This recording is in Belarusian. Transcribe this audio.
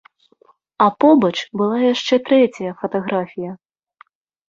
А побач была яшчэ трэцяя фатаграфія.